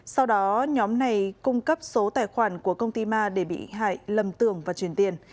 sau đó nhóm này cung cấp số tài khoản của công ty ma để bị hại lầm tưởng và truyền tiền